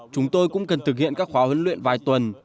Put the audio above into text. chúng tôi cũng cần thực hiện các khóa huấn luyện vài tuần